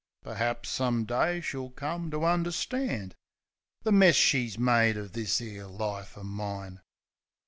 Per'aps, some day, she'll come to understand The mess she's made o' this 'ere life o' mine.